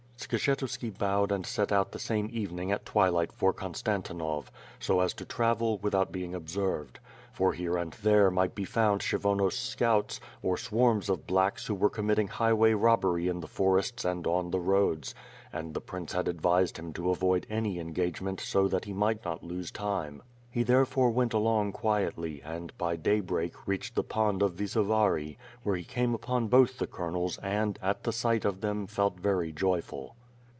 Skshetuski bowed and set out the sajne evening at twilight for Konstantinov, so as to travel, without being observed. For, here and there, might be found Kshyvonos scouts, or swarms of blacks who were committing highway robbery in the forests and on the roads; and the prince had advised him to avoid any engagement so that he might not lose time. He therefore went along quietly, and, by daybreak, reached the pond of Visovari, where he came upon both the colonels and, at sight of them, felt very joyful.